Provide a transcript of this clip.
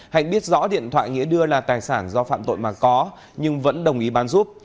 hạnh biết rõ điện thoại nghĩa đưa là tài sản do phạm tội mà có nhưng vẫn đồng ý bán giúp